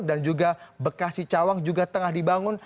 dan juga bekasi cawang juga tengah dibangun